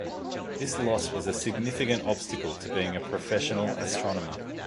This loss was a significant obstacle to being a professional astronomer.